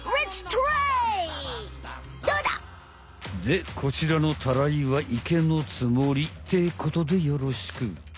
でこちらのたらいは池のつもりってことでよろしく。